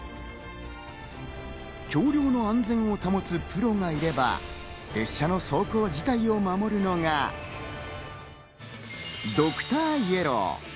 橋りょうの安全を保つプロがいれば、列車の走行自体を守るのがドクターイエロー。